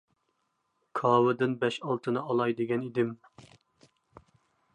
كاۋىدىن بەش-ئالتىنى ئالاي دېگەن ئىدىم.